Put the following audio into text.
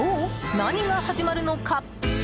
何が始まるのか。